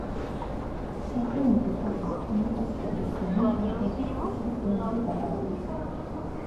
სატრიუმფო თაღის იმპოსტების დონე დარბაზის ქუსლის დონეზე დაბალია.